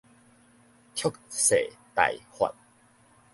蓄勢待發